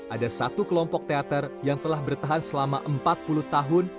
ada satu kelompok teater yang telah bertahan selama empat puluh tahun